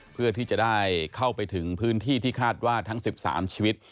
เพื่อที่จะได้เข้าไปถึงพื้นที่ที่คาดว่าทั้ง๑๓ชีวิต